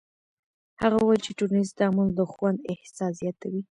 هغه وویل چې ټولنیز تعامل د خوند احساس زیاتوي.